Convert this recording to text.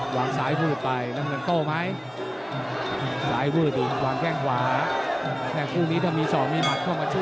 หวางสายพูดไปน้ำเงินโต้ไหมสายพูดไปทำให้แทงขวาแทงพวกนี้จะมีสองมีมัดเข้ามาช่วย